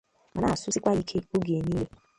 ma na-asụsikwa ya ike oge niile